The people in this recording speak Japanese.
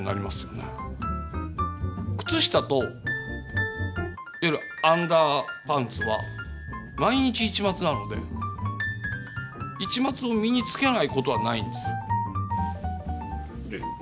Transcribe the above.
靴下といわゆるアンダーパンツは毎日市松なので市松を身につけないことはないんです。